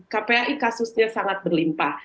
kpi kasusnya sangat berlimpah